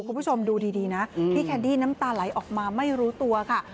คุณผู้ชมดูดีนะพี่แคนดี้น้ำตาไหลออกมาไม่รู้ตัวค่ะ